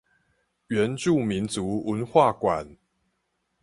原住民族文化館